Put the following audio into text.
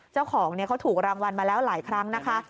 เจ้าของเขาถูกรางวัลมาแล้วหลายครั้งนะคะ